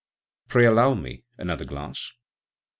Pray allow me â€" another glass."